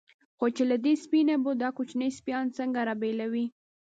خو چې له دې سپۍ نه به دا کوچني سپیان څنګه را بېلوي.